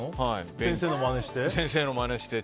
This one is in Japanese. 先生のまねして？